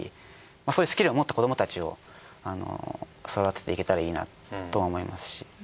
そういうスキルを持った子どもたちを育てていけたらいいなとは思いますし。